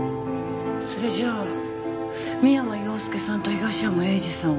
それじゃあ三山陽介さんと東山栄治さんは。